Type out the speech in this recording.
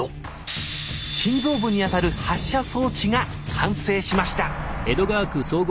心臓部にあたる発射装置が完成しました！